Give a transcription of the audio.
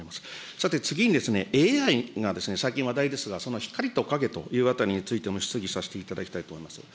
さて次に、ＡＩが最近話題ですが、その光と影というあたりについても、質疑させていただきたいと思います。